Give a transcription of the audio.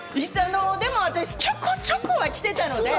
私、ちょこちょこは来てたので。